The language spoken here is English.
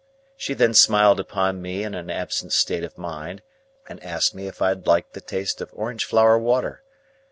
She then smiled upon me in an absent state of mind, and asked me if I liked the taste of orange flower water?